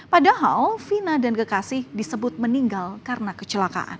padahal fina dan kekasih disebut meninggal karena kecelakaan